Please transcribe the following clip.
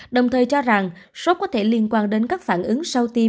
đồng thời cho rằng sốt có thể liên quan đến các phản ứng sau tiêm